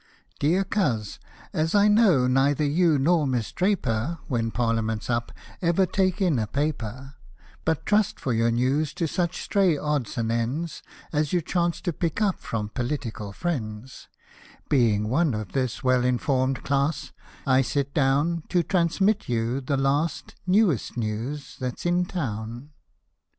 Dp:ar Coz, as I know neither you nor Miss Draper, When ParHament's up, ever take in a paper, But trust for your news to such stray odds and ends As you chance to pick up from political friends — Being one of this well informed class, I sit down To transmit you the last, newest news that's in town.